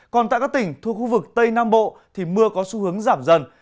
còn tại các tỉnh thuộc khu vực tây nam bộ thì mưa có xu hướng giảm dần